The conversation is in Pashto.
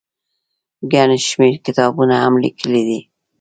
ګڼ شمېر کتابونه هم ليکلي دي